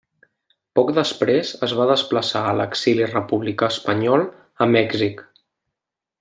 Poc després es va desplaçar a l’exili republicà espanyol a Mèxic.